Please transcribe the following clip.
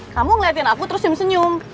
kamu ngeliatin aku terus senyum senyum